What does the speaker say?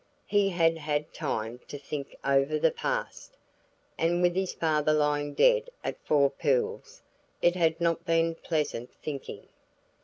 He had had time to think over the past, and with his father lying dead at Four Pools, it had not been pleasant thinking.